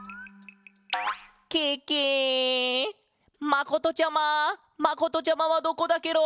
まことちゃままことちゃまはどこだケロ？